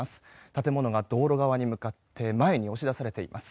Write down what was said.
建物が道路側に向かって前に押し出されています。